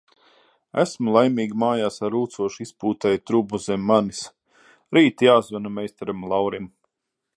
Esmu laimīgi mājās ar rūcošu izpūtēja trubu zem manis. Rīt jāzvana meistaram Laurim.